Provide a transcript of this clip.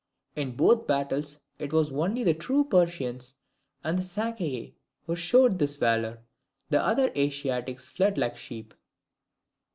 In both battles it was only the true Persians and the Sacae who showed this valour; the other Asiatics fled like sheep.